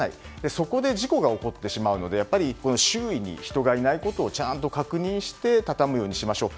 そこで事故が起きてしまうのでやっぱり周囲に人がいないことをちゃんと確認して畳むようにしましょう。